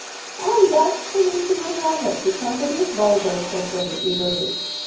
"And that's the rayson I have it, because it is vulgar," said Billy, eagerly.